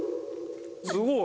すごい！